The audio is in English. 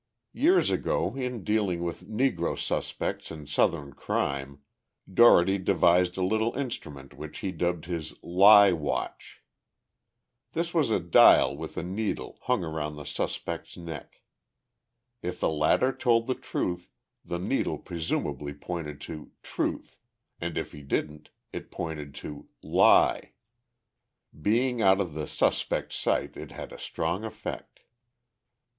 Years ago, in dealing with negro suspects in Southern crime, Dougherty devised a little instrument which he dubbed his "lie watch." This was a dial with a needle, hung round the suspect's neck. If the latter told the truth, the needle presumably pointed to "Truth," and if he didn't, it pointed to "Lie." Being out of the suspect's sight, it had a strong effect.